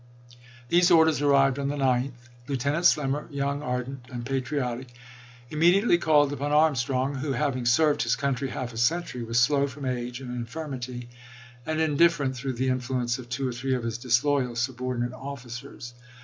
These orders arrived on the 9th, Lieutenant Slemmer, young, ardent, and patriotic, immedi ately called upon Armstrong, who, having served his country half a century, was slow from age and infirmity, and indifferent through the influence of two or three of his disloyal subordinate officers.